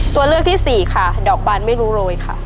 ตัวเลือกที่สี่ค่ะดอกบานไม่รู้โรยค่ะ